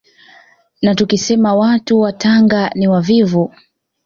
Na tukisema watu wa Tanga ni wavivu